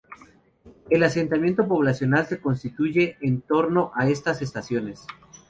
El asentamiento poblacional, se constituye en torno a estas estaciones.